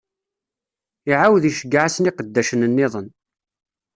Iɛawed iceggeɛ-asen iqeddacen-nniḍen.